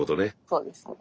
そうですね。